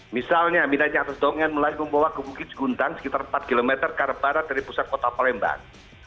misalnya wilayah atas dongeng mulai membawa ke bukit guntan sekitar empat km ke arah barat dari pusat kota palembang